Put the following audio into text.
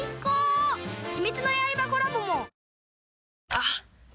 あっ！